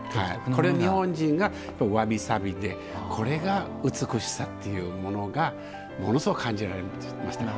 これ日本人がわびさびでこれが美しさっていうものがものすごく感じられましたから。